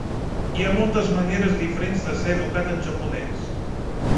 Hi ha moltes maneres diferents de ser educat en japonès.